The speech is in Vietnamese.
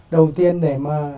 đầu tiên để mà